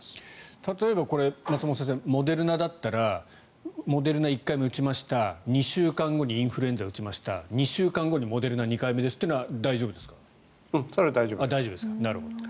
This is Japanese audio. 例えば、松本先生モデルナだったらモデルナ１回目打ちました２週間後にインフルエンザ打ちました２週間後にモデルナ２回目ですというのはそれは大丈夫です。